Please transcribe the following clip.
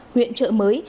huyện trợ mới